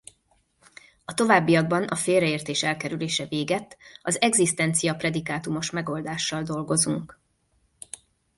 A továbbiakban a félreértés elkerülése végett az egzisztencia-predikátumos megoldással dolgozunk.